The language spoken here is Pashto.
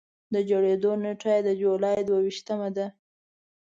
د جوړېدو نېټه یې د جولایي د دوه ویشتمه ده.